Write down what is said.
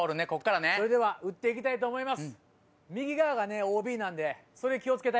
それでは打って行きたいと思います。